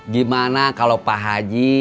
gimana kalau pak haji